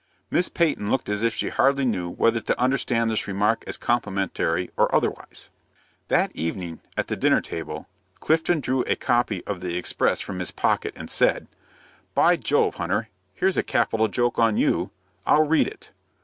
Miss Peyton looked as if she hardly knew whether to understand this remark as complimentary or otherwise. That evening, at the dinner table, Clifton drew a copy of the "Express" from his pocket, and said, "By Jove, Hunter, here's a capital joke on you! I'll read it.